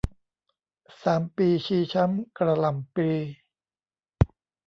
สามปีชีช้ำกระหล่ำปลี